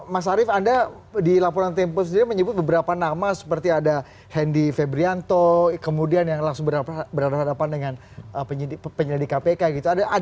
mas arief anda di laporan tempo sendiri menyebut beberapa nama seperti ada hendy febrianto kemudian yang langsung berhadapan dengan penyelidik kpk gitu